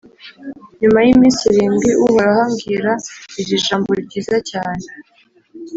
Nyuma y’iminsi irindwi, Uhoraho ambwira iri jambo ryiza cyane